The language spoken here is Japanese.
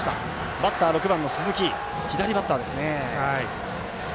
バッター、６番の鈴木左バッターですね。